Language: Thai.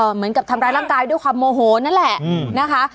เหมือนกับทำร้ายร่างกายด้วยความโมโหนั่นแหละนะคะ